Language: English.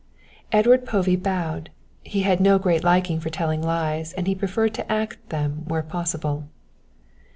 Edward Povey bowed, he had no great liking for telling lies and he preferred to act them where possible.